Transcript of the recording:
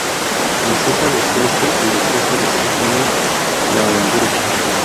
Princesa de Suecia y duquesa de Sajonia-Lauemburgo.